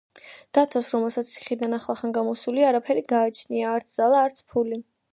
დათოს, რომელიც ციხიდან ახლახან გამოსულია, არაფერი გააჩნია, არც ძალა, არც ფული.